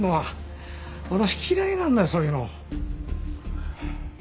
私嫌いなんだそういうの。